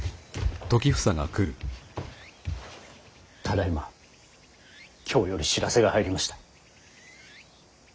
ただいま京より知らせが入りました。